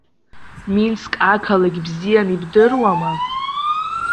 Минск ақалақь бзианы ибдыруама?